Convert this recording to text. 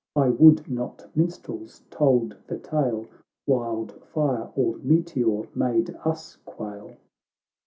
I would not minstrels told the tale, Wild fire or meteor made us quail.''